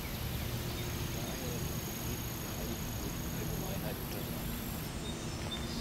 Daher ist das Betreten der Hallig durch die Allgemeinheit untersagt.